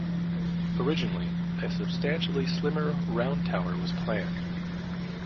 Originally a substantially slimmer round tower was planned.